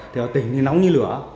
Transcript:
thì ở tỉnh nóng như lửa